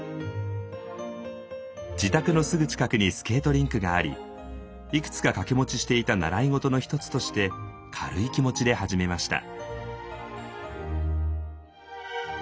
自宅のすぐ近くにスケートリンクがありいくつか掛け持ちしていた習い事の一つとして軽い気持ちで始めました。